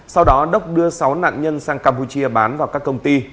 sau đó đốc đưa sáu nạn nhân sang campuchia bán vào các công ty